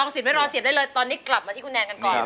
สินไม่รอเสียบได้เลยตอนนี้กลับมาที่คุณแนนกันก่อน